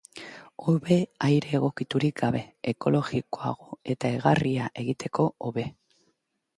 Hobe aire egokiturik gabe, ekologikoago eta egarria egiteko hobe.